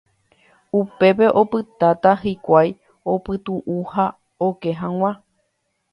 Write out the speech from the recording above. Upépe opytáta hikuái opytu'u ha oke hag̃ua.